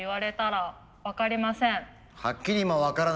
はい分かりません。